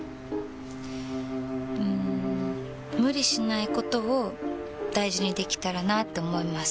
うん無理しないことを大事にできたらなって思います。